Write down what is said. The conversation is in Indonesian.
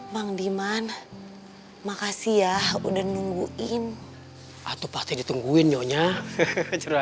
mang liman makasih ya udah nunggu in atau pasti ditungguin ionya ciragan